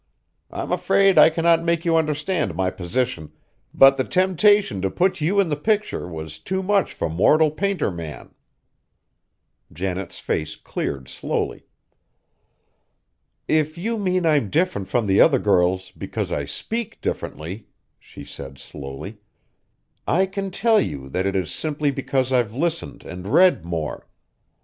I'm afraid I cannot make you understand my position, but the temptation to put you in the picture was too much for mortal painter man!" Janet's face cleared slowly. "If you mean I'm different from the other girls, because I speak differently," she said slowly, "I can tell you that it is simply because I've listened and read more.